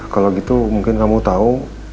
kalau gitu mungkin kamu tahu